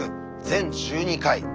全１２回。